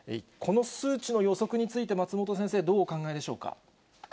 この数値の予測について、松本先生、どうお考えでしょうか。